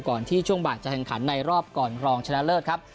ที่ช่วงบ่ายจะแข่งขันในรอบก่อนรองชนะเลิศครับ